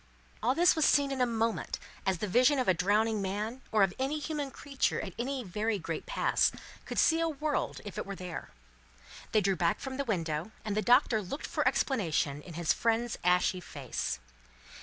All this was seen in a moment, as the vision of a drowning man, or of any human creature at any very great pass, could see a world if it were there. They drew back from the window, and the Doctor looked for explanation in his friend's ashy face.